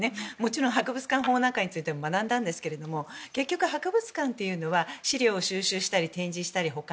もちろん博物館法なんかについても学んだんですが博物館は資料を保管したり展示したり。